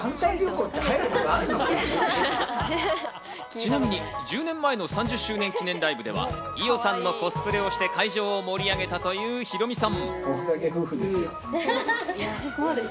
ちなみに１０年前の３０周年記念ライブでは、伊代さんのコスプレをして会場を盛り上げたというヒロミさん。